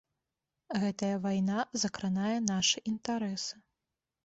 Гэтая вайна закранае нашы інтарэсы.